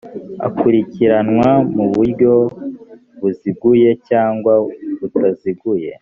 akurikiranwa mu buryo buziguye cyangwa butaziguye